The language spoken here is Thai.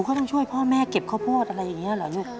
เขาต้องช่วยพ่อแม่เก็บข้าวโพดอะไรอย่างนี้เหรอลูก